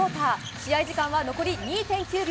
試合時間は残り２．９秒。